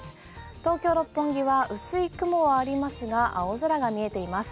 東京・六本木は薄い雲はありますが青空が見えています。